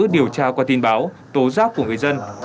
điều tra qua tin báo tố giác của người dân